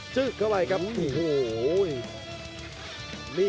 ชาเลน์